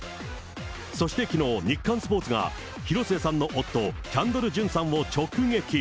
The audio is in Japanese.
そしてきのう、日刊スポーツが広末さんの夫、キャンドル・ジュンさんを直撃。